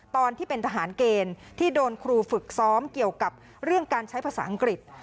ตอนที่เป็นทหารเกณฑ์ที่โดนครูฝึกซ้อมเกี่ยวกับเรื่องการใช้ภาษาอังกฤษ